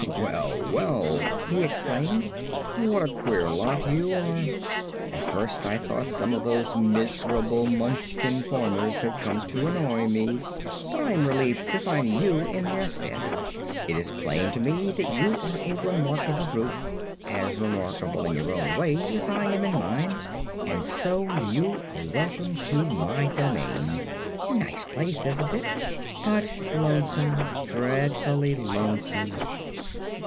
"Well, well," he exclaimed; "what a queer lot you are! At first I thought some of those miserable Munchkin farmers had come to annoy me, but I am relieved to find you in their stead. It is plain to me that you are a remarkable group as remarkable in your way as I am in mine and so you are welcome to my domain. Nice place, isn't it? But lonesome dreadfully lonesome."